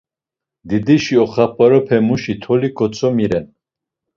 Didişi oxap̌arupemuşi tolis ǩotzomiren.